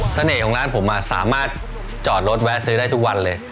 ของร้านผมสามารถจอดรถแวะซื้อได้ทุกวันเลย